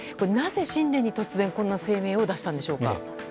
なぜ新年に突然こんな声明を出したんでしょうか？